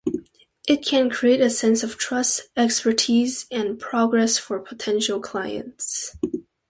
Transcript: It can create a sense of trust, expertise, and progress for potential clients.